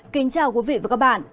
kính chào quý vị và các bạn